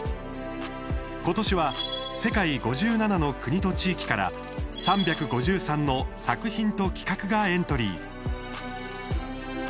今年は世界５７の国と地域から３５３の作品と企画がエントリー。